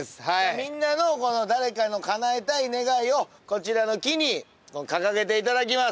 みんなの誰かのかなえたい願いをこちらの木に掲げていただきます。